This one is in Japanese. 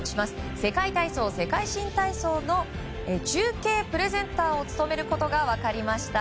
世界体操・世界新体操の中継プレゼンターを務めることが分かりました。